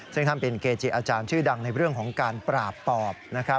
ซึ่งท่านเป็นเกจิอาจารย์ชื่อดังในเรื่องของการปราบปอบ